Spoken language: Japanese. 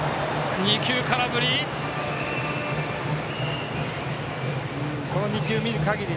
２球、空振り。